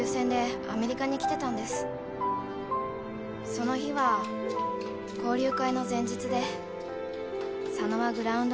その日は交流会の前日で佐野はグラウンドの下見をしてて。